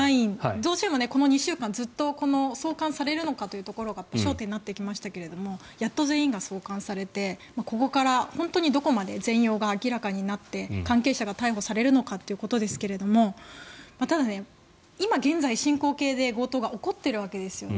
どうしてもこの２週間送還されるのかというところが焦点になってきましたがやっと全員が送還されてここから本当にどこまで全容が明らかになって関係者が逮捕されるのかっていうことですがただ、今現在進行形で強盗が起こっているわけですよね。